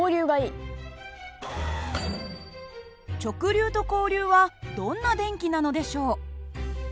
直流と交流はどんな電気なのでしょう。